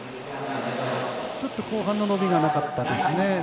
後半の伸びがなかったですね。